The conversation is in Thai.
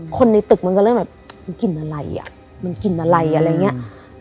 คนในตึกมันก็เริ่มแบบกลิ่นอะไรอ่ะมันกลิ่นอะไรอะไรอย่างเงี้ย